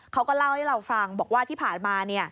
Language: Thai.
เขาก็เล่าให้เราฟังบอกว่าที่ผ่านมา